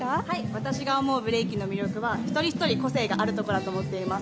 私が思うブレイキンの魅力は一人一人、個性があるところだと思っています。